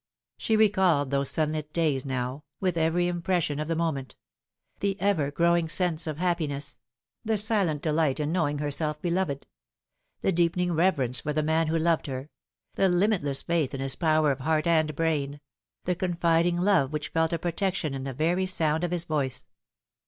She recalled those sunlit days now, with every impression of the moment ; the ever growing sense of happiness ; the silent delight in knowing herself beloved ; the deepening reverence for the man who loved her ; the limitless faith in his power of heart and brain ; the confiding love which felt a protection in the very sound of his voice.